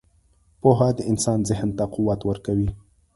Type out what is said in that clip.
• پوهه د انسان ذهن ته قوت ورکوي.